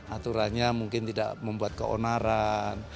aturannya mungkin tidak membuat keonaran